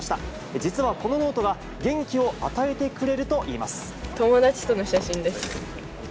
実はこのノートが、元気を与えて友達との写真です。